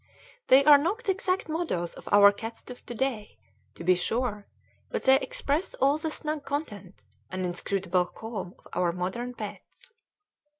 They are not exact models of our cats of to day, to be sure, but they express all the snug content and inscrutable calm of our modern pets.